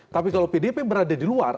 tapi kalau pdip berada di luar